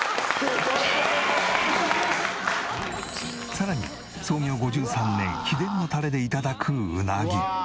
さらに創業５３年秘伝のタレで頂くうなぎ。